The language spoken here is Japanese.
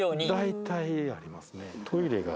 大体ありますね。